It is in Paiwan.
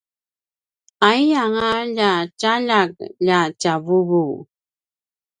aiyanga lja tjaljak lja tjavuvu!